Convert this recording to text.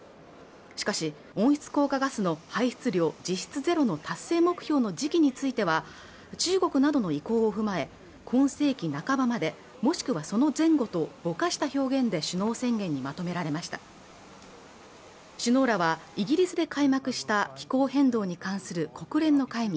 しかし温室効果ガスの排出量を実質ゼロの達成目標の時期については中国などの意向を踏まえ今世紀半ばまでもしくはその前後とぼかした表現で首脳宣言にまとめられました首脳らはイギリスで開幕した気候変動に関する国連の会議